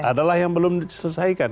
adalah yang belum diselesaikan